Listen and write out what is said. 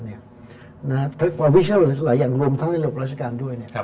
หรือวิชาหลายอย่างรวมทั้งในระบบราชการด้วย